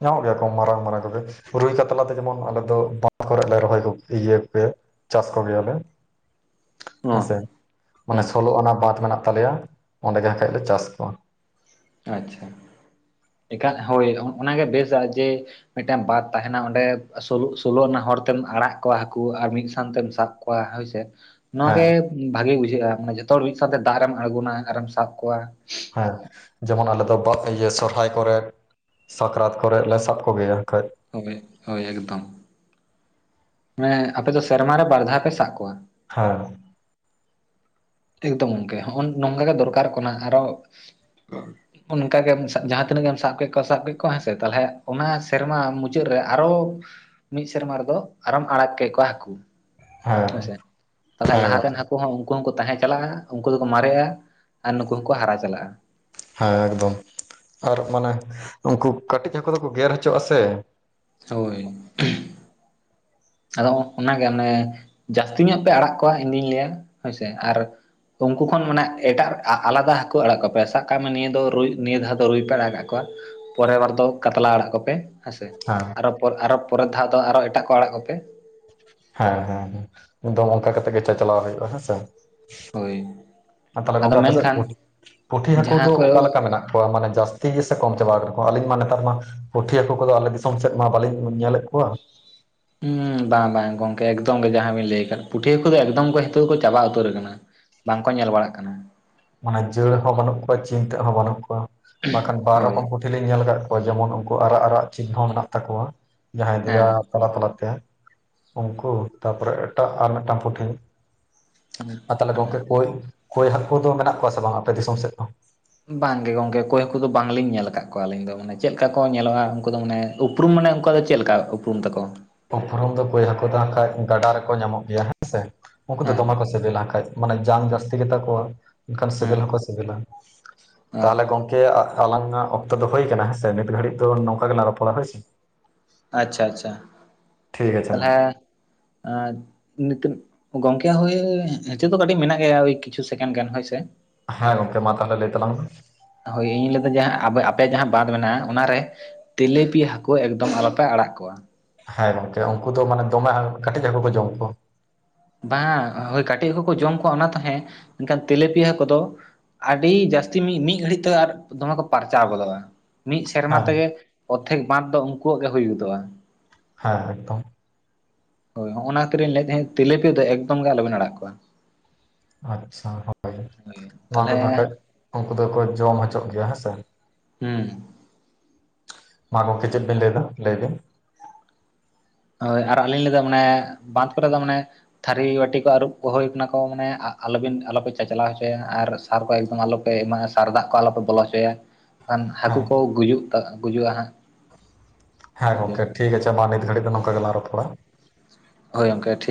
Speaker 2: ᱧᱟᱢᱚᱜ ᱜᱮᱭᱟ ᱠᱚ ᱢᱟᱨᱟᱝ ᱢᱟᱨᱟᱝ ᱠᱚᱜᱮ ᱨᱩᱭ ᱠᱟᱛᱞᱟ ᱫᱚ ᱡᱮᱢᱚᱱ ᱟᱞᱮ ᱫᱚ ᱵᱟᱸᱫ ᱠᱚᱨᱮ ᱞᱮ ᱨᱚᱦᱚᱭ ᱠᱚ ᱜᱮ ᱤᱭᱟᱹ ᱮᱭᱟ ᱪᱟᱥ ᱠᱚ ᱜᱮᱭᱟᱞᱮ ᱦᱮᱸᱥᱮ
Speaker 1: ᱚ
Speaker 2: ᱢᱟᱱᱮ
Speaker 1: ᱦᱩᱸ
Speaker 2: ᱥᱚᱞᱚ ᱟᱱᱟ ᱵᱟᱸᱫᱷ ᱢᱮᱱᱟᱜ ᱛᱟᱞᱮᱭᱟ ᱚᱸᱰᱮ ᱜᱮ ᱟᱠᱷᱟᱹᱡ ᱞᱮ ᱪᱟᱥ ᱠᱚᱣᱟ
Speaker 1: ᱟᱪᱪᱷᱟ ᱮᱠᱟ ᱦᱳᱭ ᱚᱱᱟᱜᱮ ᱵᱮᱥᱟᱜ ᱡᱮ ᱢᱤᱫᱴᱟᱝ ᱵᱟᱛ ᱛᱟᱦᱮᱱᱟ ᱚᱸᱰᱮ ᱥᱚᱞᱚ... ᱥᱚᱞᱚ ᱟᱱᱟ ᱦᱚᱲᱵᱛᱮᱢ ᱟᱲᱟᱜ ᱠᱚᱣᱟ ᱦᱟᱹᱠᱩ ᱟᱨ ᱢᱤᱫ ᱥᱟᱶᱛᱮᱢ ᱥᱟᱵ ᱠᱚᱣ ᱠᱚᱣᱟ ᱦᱚᱭ ᱥᱮ
Speaker 2: ᱦᱮᱸ
Speaker 1: ᱱᱚᱣᱟᱜᱮ ᱵᱷᱟᱜᱮ ᱵᱩᱡᱷᱟᱹᱜᱼᱟ ᱢᱟᱱᱮ ᱡᱚᱛᱚ ᱦᱚᱲ ᱢᱤᱫ ᱥᱟᱶᱛᱮ ᱫᱟᱜ ᱨᱮᱢ ᱟᱬᱜᱩᱱᱟ ᱟᱨ ᱮᱢ ᱥᱟᱵ ᱠᱚᱣᱟ
Speaker 2: ᱦᱮᱸ ᱡᱮᱢᱚᱱ ᱟᱞᱮ ᱫᱚ ᱵᱟᱛ ᱤᱭᱟᱹ ᱥᱚᱨᱦᱟᱭ ᱠᱚᱨᱮ ᱥᱟᱠᱨᱟᱛ ᱠᱚᱨᱮ ᱞᱮ ᱥᱟᱵ ᱠᱚᱜᱮᱭᱟ ᱟᱠᱷᱟᱹᱡ
Speaker 1: ᱦᱳᱭ ᱦᱳᱭ ᱮᱠᱫᱚᱢ ᱢᱮ ᱟᱯᱮ ᱫᱚ ᱥᱮᱨᱢᱟ ᱨᱮ ᱵᱟᱨ ᱫᱷᱟᱣ ᱯᱮ ᱥᱟᱵ ᱠᱚᱣᱟ
Speaker 2: ᱦᱮᱸ
Speaker 1: ᱮᱠᱫᱚᱢ ᱜᱚᱝᱠᱮ ᱦᱚᱜ.. ᱱᱚᱝᱠᱟ ᱜᱮ ᱫᱚᱨᱠᱟᱨᱚᱜ ᱠᱟᱱᱟ ᱟᱨᱦᱚ ᱚᱱ-ᱚᱱᱠᱟᱜᱮᱢ ᱥᱟᱵ ᱡᱟᱦᱟ ᱛᱤᱱᱟᱹᱜ ᱜᱮᱢ ᱥᱟᱵ ᱠᱮᱫ ᱠᱚᱣᱟ ᱥᱟᱵ ᱠᱮᱫ ᱠᱚᱣᱟ ᱦᱮᱸ ᱥᱮ ᱛᱟᱞᱦᱮ ᱚᱱᱟ ᱥᱮᱨᱢᱟ ᱢᱩᱪᱟᱹᱫ ᱨᱮ ᱟᱨᱦᱚ ᱢᱤᱫ ᱥᱮᱨᱢᱟ ᱨᱮᱫᱚ ᱟᱨᱦᱚᱢ ᱟᱲᱟᱜ ᱠᱮᱫ ᱠᱚᱣᱟ ᱦᱟᱹᱠᱩ
Speaker 2: ᱦᱮᱸ
Speaker 1: ᱦᱮᱸᱥᱮ ᱛᱟᱦᱚᱞᱮ
Speaker 2: ᱦᱮᱸ
Speaker 1: ᱞᱟᱦᱟᱛᱮᱱ
Speaker 2: ᱜᱚᱝᱠᱮ
Speaker 1: ᱦᱟᱹᱠᱩ ᱠᱩ ᱦᱚᱸ ᱩᱱᱠᱩ ᱦᱚᱸ ᱠᱚ ᱛᱟᱦᱮᱸ ᱪᱟᱞᱟᱜᱼᱟ ᱩᱱᱠᱩ ᱫᱚ ᱠᱚ ᱢᱟᱨᱮᱜᱼᱟ ᱟᱨ ᱱᱩᱠᱩ ᱦᱚᱸ ᱠᱚ ᱦᱟᱨᱟ ᱪᱟᱞᱟᱜᱼᱟ
Speaker 2: ᱦᱮᱸ ᱮᱠᱫᱚᱢ ᱟᱨ ᱢᱟᱱᱮ ᱩᱱᱠᱩ ᱠᱟᱹᱴᱤᱡ ᱦᱟᱹᱠᱩ ᱫᱚᱠᱚ ᱜᱮᱨ ᱦᱚᱪᱚᱜᱟᱜ-ᱟ᱾ ᱥᱮ
Speaker 1: ᱦᱳᱭ ᱟᱫᱚ ᱚᱱᱟᱜᱮ ᱢᱟᱱᱮ ᱡᱟᱹᱥᱛᱤ ᱧᱚᱜ ᱯᱮ ᱟᱲᱟᱜ ᱠᱚᱣᱟ ᱤᱧ ᱫᱩᱧ ᱞᱟᱹᱭᱟ ᱦᱳᱭᱥᱮ ᱟᱨ ᱩᱱᱠᱩ ᱠᱷᱚᱱ ᱢᱟᱱᱮ ᱮᱴᱟᱜ ᱟᱞᱟᱫᱟ ᱦᱟᱹᱠᱩ ᱟᱲᱟᱜ ᱠᱚ ᱯᱮ ᱥᱟᱵ ᱠᱟᱜ ᱢᱮ ᱱᱤᱭᱟᱹ ᱫᱚ ᱨᱩᱭ ᱱᱤᱭᱟᱹ ᱫᱷᱟᱣ ᱫᱚ ᱨᱩᱭ ᱯᱮ ᱟᱲᱟᱜ ᱠᱟᱜ ᱠᱚᱣᱟ᱾ ᱯᱚᱨᱮ ᱵᱟᱨ ᱫᱚ ᱠᱟᱛᱞᱟ ᱟᱲᱟᱜ ᱠᱚᱯᱮ ᱦᱮᱸᱥᱮ
Speaker 2: ᱦᱮᱸ
Speaker 1: ᱟᱨ ᱟᱨ ᱯᱚᱨᱮ ᱫᱷᱟᱣ ᱫᱚ ᱟᱨᱚ ᱮᱴᱟᱜ ᱠᱚ ᱟᱲᱟᱜ ᱠᱚᱯᱮ
Speaker 2: ᱦᱮᱸ ᱦᱮᱸ ᱦᱮ ᱮᱠᱫᱚᱢ ᱚᱱᱠᱟ ᱠᱟᱛᱮᱜ ᱜᱮ ᱪᱟᱪᱟᱞᱟᱣ ᱦᱩᱭᱩᱜ-ᱟ᱾ ᱦᱮᱸᱥᱮ
Speaker 1: ᱦᱳᱭ
Speaker 2: ᱛᱟᱦᱞᱮ
Speaker 1: ᱟᱫᱚ
Speaker 2: ᱜᱚᱝᱠᱮ ᱟᱯᱮ ᱥᱮᱫ
Speaker 1: ᱢᱮᱱᱠᱷᱟᱱ
Speaker 2: ᱯᱩᱴᱷᱤ ᱦᱟᱹᱠᱩ
Speaker 1: ᱡᱟᱦᱟᱸ
Speaker 2: ᱫᱚ
Speaker 1: ᱠᱚ
Speaker 2: ᱚᱠᱟᱞᱮᱠᱟ ᱢᱮᱱᱟᱜ ᱠᱚᱣᱟ ᱢᱟᱱᱮ ᱡᱟᱹᱥᱛᱤ ᱜᱮ ᱥᱮ ᱠᱚᱢ ᱪᱟᱵᱟ ᱠᱟᱱᱟᱠᱚ ᱟᱹᱞᱤᱧ ᱢᱟ ᱱᱮᱛᱟᱨ ᱢᱟ ᱯᱩᱴᱷᱤ ᱦᱟᱹᱠᱩ ᱠᱚᱫᱚ ᱟᱞᱮ ᱫᱤᱥᱚᱢ ᱥᱮᱫ ᱢᱟ ᱵᱟᱹᱞᱤᱧ ᱧᱮᱞᱮᱫ ᱠᱚᱣᱟ᱾
Speaker 1: ᱦᱩ ᱵᱟᱝ ᱵᱟᱝ ᱜᱚᱝᱠᱮ ᱮᱠᱫᱚᱢ ᱜᱮ ᱡᱟᱦᱟ ᱵᱤᱱ ᱞᱟᱹᱭ ᱟᱠᱟᱫ ᱯᱩᱴᱷᱤ ᱠᱚᱫᱚ ᱮᱠᱫᱚᱢ ᱜᱮ ᱱᱤᱛᱚᱜ ᱫᱚ ᱠᱚ ᱪᱟᱵᱟ ᱩᱛᱟᱹᱨ ᱠᱟᱱᱟ ᱵᱟᱝ ᱠᱚ ᱧᱮᱞ ᱵᱟᱲᱟᱜ ᱠᱟᱱᱟ
Speaker 2: ᱢᱟᱱᱮ ᱡᱟᱹᱲ ᱦᱚᱸ ᱵᱟᱹᱱᱩᱜ ᱠᱚᱣᱟ ᱪᱤᱱᱛᱟᱹᱜ ᱦᱚᱸ ᱵᱟᱹᱱᱩᱜ ᱠᱚᱣᱟ ᱵᱟᱝᱠᱷᱟᱱ ᱵᱟᱨ ᱨᱚᱠᱚᱢ
Speaker 1: ᱦᱳᱭ
Speaker 2: ᱞᱤᱧ ᱧᱮᱞ ᱟᱠᱟᱫ ᱠᱚᱣᱟ ᱡᱮᱢᱚᱱ ᱩᱱᱠᱩ ᱟᱨᱟᱜ ᱟᱨᱟᱜ ᱪᱮᱫ ᱦᱚᱸ ᱢᱮᱱᱟᱜ ᱛᱟᱠᱚᱣᱟ ᱡᱟᱦᱟᱸᱭ ᱫᱮᱭᱟ
Speaker 1: ᱦᱮᱸ
Speaker 2: ᱛᱟᱞᱟ ᱛᱟᱞᱟᱛᱮ ᱩᱱᱠᱩ ᱛᱟᱯᱚᱨᱮ ᱮᱴᱟᱜ ᱟᱨ ᱢᱤᱫᱴᱟᱝ ᱯᱩᱴᱷᱤ ᱟᱨ ᱛᱟᱦᱚᱞᱮ ᱜᱚᱝᱠᱮ ᱠᱳᱭ ᱠᱳᱭ ᱦᱟᱹᱠᱩ ᱫᱚ ᱢᱮᱱᱟᱜ ᱠᱚᱣᱟ ᱥᱮ ᱵᱟᱝ ᱟᱯᱮ ᱫᱤᱥᱚᱢ ᱥᱮᱫ ᱫᱚ
Speaker 1: ᱵᱟᱝ ᱜᱮ ᱜᱚᱝᱠᱮ ᱠᱳᱭ ᱦᱟᱠᱩ ᱫᱚ ᱵᱟᱝᱞᱤᱧ ᱧᱮᱞ ᱟᱠᱟᱫ ᱠᱚᱣᱟ ᱟᱹᱞᱤᱧ ᱫᱚ ᱢᱟᱱᱮ ᱪᱮᱫ ᱞᱮᱠᱟ ᱠᱚ ᱧᱮᱞᱚᱜ-ᱟ᱾ ᱩᱱᱠᱩ ᱫᱚ ᱢᱟᱱᱮ ᱩᱯᱨᱩᱢ ᱢᱟᱱᱮ ᱩᱱᱠᱩ ᱫᱚ ᱪᱮᱫ ᱞᱮᱠᱟ ᱩᱯᱨᱩᱢ ᱛᱟᱠᱚ
Speaker 2: ᱩᱯᱨᱩᱢ ᱫᱚ ᱠᱳᱭ ᱦᱟᱹᱠᱩ ᱫᱚ ᱦᱟᱝᱠᱟ ᱜᱟᱰᱟ ᱨᱮᱠᱚ ᱧᱟᱢᱚᱜ ᱜᱮᱭᱟ ᱦᱮᱸᱥᱮ ᱩᱱᱠᱩ ᱫᱚ
Speaker 1: ᱦᱮᱸ
Speaker 2: ᱫᱚᱢᱮ ᱠᱚ ᱫᱮᱞᱟ ᱠᱟᱡ ᱢᱟᱱᱮ ᱡᱟᱝ ᱡᱟᱹᱥᱛᱤ ᱜᱮᱛᱟ ᱠᱚᱣᱟ ᱮᱱᱠᱷᱟᱱ ᱥᱤᱵᱤᱞ
Speaker 1: ᱦᱮᱸ
Speaker 2: ᱦᱚᱸᱠᱚ ᱥᱤᱵᱤᱞᱟ
Speaker 1: ᱚ
Speaker 2: ᱛᱟᱦᱚᱞᱮ ᱜᱚᱝᱠᱮ ᱟᱞᱟᱝᱟᱜ ᱚᱠᱛᱚ ᱫᱚ ᱦᱩᱭ ᱠᱟᱱᱟ ᱦᱮᱸ ᱥᱮ ᱱᱤᱛ ᱜᱷᱟᱹᱲᱤᱡ ᱫᱚ ᱱᱚᱝᱠᱟ ᱜᱮᱞᱟᱝ ᱨᱚᱯᱚᱲᱟ ᱦᱳᱭᱥᱮ
Speaker 1: ᱟᱪᱪᱷᱟ ᱟᱪᱪᱷᱟ
Speaker 2: ᱴᱷᱤᱠ ᱟᱪᱷᱮ ᱢᱟ
Speaker 1: ᱛᱟᱦᱚᱞᱮ ᱱᱤᱛᱤᱱ ᱜᱚᱝᱠᱮ ᱦᱳᱭ ᱱᱤᱛᱚᱜ ᱫᱚ ᱠᱟᱹᱴᱤᱡ ᱢᱮᱱᱟᱜ ᱜᱮᱭᱟ ᱳᱭ ᱠᱤᱪᱷᱩ ᱥᱮᱠᱮᱱᱰ ᱜᱟᱱ ᱦᱳᱭ ᱥᱮ
Speaker 2: ᱦᱮᱸ ᱜᱚᱝᱠᱮ ᱢᱟ ᱛᱟᱦᱚᱞᱮ ᱞᱟᱹᱭ ᱛᱟᱞᱟᱝ ᱢᱮ
Speaker 1: ᱦᱳᱭ ᱤᱧ ᱞᱟᱹᱭᱫᱟ ᱡᱟᱦᱟ ᱟᱯᱮᱭᱟᱜ ᱡᱟᱦᱟ ᱵᱟᱸᱫ ᱢᱮᱱᱟᱜ-ᱟ᱾ ᱚᱱᱟᱨᱮ ᱛᱤᱞᱮᱯᱤ ᱦᱟᱹᱠᱩ ᱮᱠᱫᱚᱢ ᱟᱞᱚᱯᱮ ᱟᱲᱟᱜ ᱠᱚᱣᱟ᱾
Speaker 2: ᱦᱮᱸ ᱜᱚᱝᱠᱮ ᱩᱱᱠᱩ ᱫᱚ ᱢᱟᱱᱮ ᱫᱚᱢᱮ ᱠᱟᱹᱴᱤᱡ ᱦᱟᱠᱩ ᱠᱚ ᱡᱚᱢ ᱠᱚᱣᱟ᱾
Speaker 1: ᱵᱟᱝ ᱦᱳᱭ ᱠᱟᱹᱴᱤᱡ ᱦᱟᱠᱚ ᱠᱚ ᱡᱚᱢ ᱠᱚᱣᱟ ᱚᱱᱟ ᱛᱚ ᱦᱮ ᱢᱮᱱᱠᱷᱟᱱ ᱛᱤᱞᱟᱹᱯᱤ ᱦᱟᱠᱚ ᱫᱚ ᱟᱹᱰᱤ ᱡᱟᱹᱥᱛᱤ ᱢᱤᱫ ᱜᱷᱟᱹᱲᱤᱡ ᱛᱮ ᱟᱨ ᱫᱚᱢᱮ ᱠᱚ ᱯᱟᱨᱪᱟᱣ ᱜᱚᱫᱚᱜ-ᱟ᱾ ᱢᱤᱫ ᱥᱮᱨᱢᱟ
Speaker 2: ᱦᱮᱸ
Speaker 1: ᱛᱮᱜᱮ ᱚᱨᱫᱷᱮᱠ ᱵᱟᱸᱫ ᱫᱚ ᱩᱱᱠᱩᱣᱟᱜ ᱜᱮ ᱦᱩᱭ ᱜᱚᱫᱚᱜ-ᱟ᱾
Speaker 2: ᱦᱮᱸ ᱮᱠᱫᱚᱢ
Speaker 1: ᱦᱳᱭ ᱦᱚᱸᱜᱼ ᱚᱱᱟ ᱠᱷᱟᱹᱛᱤᱨᱤᱧ ᱞᱟᱹᱭ ᱛᱟᱦᱮᱸ ᱛᱤᱞᱤᱯᱤ ᱫᱚ ᱮᱠᱫᱚᱢ ᱜᱮ ᱟᱞᱚᱵᱮᱱ ᱟᱲᱟᱜ ᱠᱚᱣᱟ
Speaker 2: ᱟᱪᱪᱷᱟ ᱦᱳᱭ
Speaker 1: ᱦᱳᱭ
Speaker 2: ᱱᱚᱣᱟ
Speaker 1: ᱛᱟᱦᱚᱞᱮ
Speaker 2: ᱠᱚᱫᱚᱠᱷᱟᱡ ᱩᱱᱠᱩ ᱫᱚᱠᱚ ᱡᱚᱢ ᱦᱚᱪᱚᱜ ᱜᱮᱭᱟ ᱦᱮᱸᱥᱮ
Speaker 1: ᱦᱮᱸ
Speaker 2: ᱢᱟ ᱜᱚᱝᱠᱮ ᱪᱮᱫ ᱵᱤᱱ ᱞᱟᱹᱭᱫᱟ ᱞᱟᱹᱭ ᱵᱤᱱ?
Speaker 1: ᱦᱳᱭ ᱟᱨ ᱟᱹᱞᱤᱧ ᱞᱟᱹᱭᱫᱟ ᱢᱟᱱᱮ ᱵᱟᱸᱫᱷ ᱠᱚᱨᱮ ᱫᱚ ᱢᱟᱱᱮ ᱛᱷᱟᱹᱨᱤ ᱵᱟᱹᱴᱤ ᱠᱚ ᱟᱹᱨᱩᱵ ᱠᱚ ᱦᱩᱭ ᱠᱟᱱᱟ ᱠᱚ ᱢᱟᱱᱮ ᱟᱞᱚᱵᱤᱱ ᱟᱞᱚᱯᱮ ᱪᱟᱪᱞᱟᱣ ᱦᱚᱪᱚᱭᱟ ᱟᱨ ᱥᱟᱨ ᱠᱚ ᱮᱠᱫᱚᱢ ᱟᱞᱚᱯᱮ ᱮᱢᱢᱟᱜ-ᱟ᱾ ᱥᱟᱨ ᱫᱟᱜ ᱠᱚ ᱟᱞᱚᱯᱮ ᱵᱚᱞᱚ ᱦᱚᱪᱚᱭᱟ ᱠᱷᱟᱱ ᱦᱟᱹᱠᱩ
Speaker 2: ᱦᱮᱸ
Speaker 1: ᱠᱚ ᱜᱩᱡᱩᱜ ᱜᱩᱡᱩᱜ-ᱟ ᱦᱟᱸᱜ
Speaker 2: ᱦᱮᱸ ᱜᱚᱝᱠᱮ ᱴᱷᱤᱠ ᱟᱪᱷᱮ ᱢᱟ ᱱᱤᱛ ᱜᱷᱟᱹᱲᱤᱡ ᱫᱚ ᱱᱚᱝᱠᱟ ᱜᱮᱞᱟᱝ ᱨᱚᱯᱚᱲᱟ
Speaker 1: ᱦᱳᱭ ᱜᱚᱢᱠᱮ ᱴᱷᱤᱠ